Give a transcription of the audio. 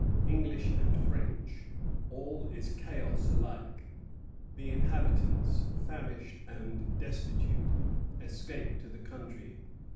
English and French, all is chaos alike. The inhabitants, famished and destitute, escape to the country.